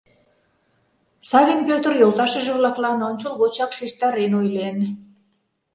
Савин Пӧтыр йолташыже-влаклан ончылгочак шижтарен ойлен: